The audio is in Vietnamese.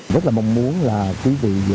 rất là mong muốn là quý vị